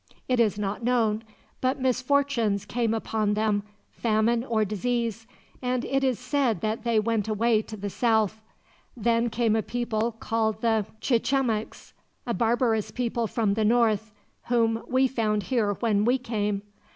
"It is not known, but misfortunes came upon them, famine or disease, and it is said that they went away to the south. Then came a people called the Chichemecs, a barbarous people from the north, whom we found here when we came.